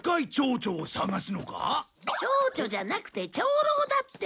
ちょうちょじゃなくて長老だって！